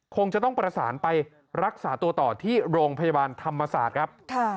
คงจะต้องประสานไปรักษาตัวต่อที่โรงพยาบาลธรรมศาสตร์ครับ